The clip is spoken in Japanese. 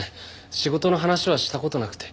仕事の話はした事なくて。